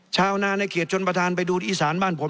ชาวหน้าเนี่ยเขียนชนประธานไปดูที่อีสานบ้านผม